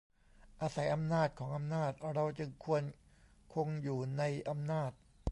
อาศัยอำนาจของอำนาจเราจึงควรคงอยู่ในอำนาจ